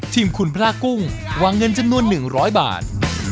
ทีมคุณพระกุ้งวางเงินจำนวน๑๐๐บาท